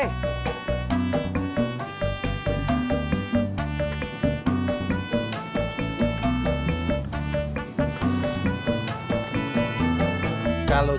apakah aku bisa membantu